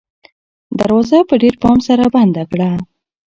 دروازه په ډېر پام سره بنده کړه.